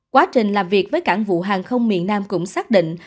quá trình làm việc với cảng vụ hàng không miền nam cũng xác định